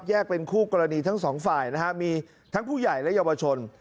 เป็นคู่กรณีทั้งสองฝ่ายนะฮะมีทั้งผู้ใหญ่และเยาวชน